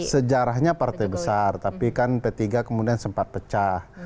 sejarahnya partai besar tapi kan p tiga kemudian sempat pecah